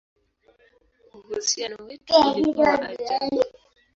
Uhusiano wetu ulikuwa wa ajabu!